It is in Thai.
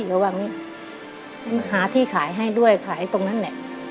ก็ว่าหาที่ขายให้ด้วยขายตรงนั้นแหละ